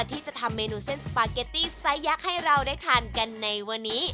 ที่จะทำเมนูเส้นสปาเกตตี้ไซสยักษ์ให้เราได้ทานกันในวันนี้